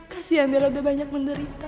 kasian bella sudah banyak menderita